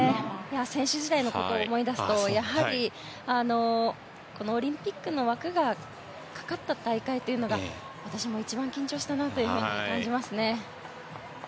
選手時代のことを思い出すとやはり、オリンピックの枠がかかった大会というのが私も一番緊張したなと感じますね。